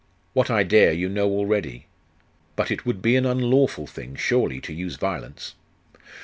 'What I dare you know already. But it would be an unlawful thing, surely, to use violence.